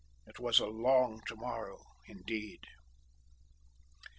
It was a long to morrow, indeed!